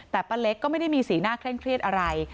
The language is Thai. แต่ป้าเล็กก็ไม่ได้มีสีหน้าเคร่งเครียดอะไร